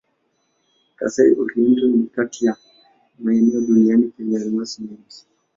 Kasai-Oriental ni kati ya maeneo duniani penye almasi nyingi.